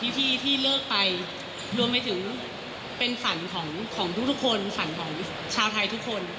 เป็นฝันของทุกคนฝันของชาวไทยทุกคน